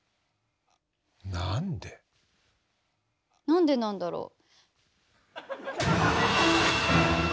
なんでなんだろう？